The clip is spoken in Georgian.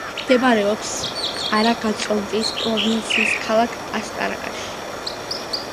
მდებარეობს არაგაწოტნის პროვინციის ქალაქ აშტარაკში.